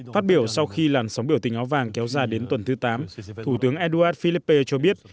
phát biểu sau khi làn sóng biểu tình áo vàng kéo dài đến tuần thứ tám thủ tướng édouard philippe cho biết